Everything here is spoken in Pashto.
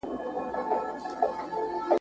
د شپې آخر د الهي نزول، رحمت او مغفرت وخت دی.